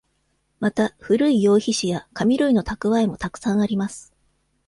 また、古い羊皮紙や紙類の蓄えもたくさんあります。